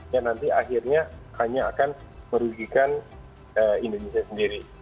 yang nanti akhirnya hanya akan merugikan indonesia sendiri